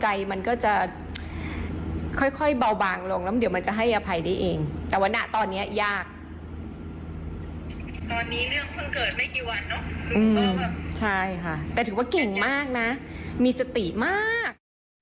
ใช่ค่ะแต่ถือว่าเก่งมากนะมีสติมาก